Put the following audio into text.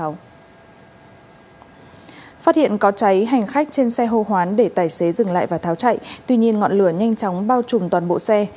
phát hiện có cháy hành khách trên xe hô hoán để tài xế dừng lại và tháo chạy tuy nhiên ngọn lửa nhanh chóng bao trùm toàn bộ xe